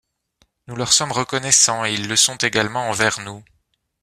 Nous leurs sommes reconnaissants et ils le sont également envers nous.